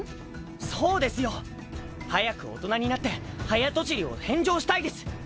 そうですよ。早く大人になって「はやとちり」を返上したいです。